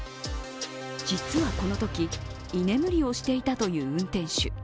実はこのとき、居眠りをしていたという運転手。